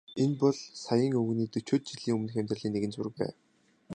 Энэ бол саяын өвгөний дөчөөд жилийн өмнөх амьдралын нэгэн зураг байв.